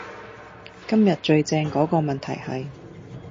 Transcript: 今日最正嗰個問題係